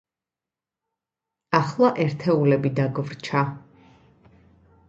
ახლა ერთეულები დაგვრჩა.